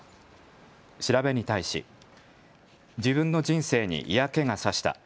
調べに対し自分の人生に嫌気が差した。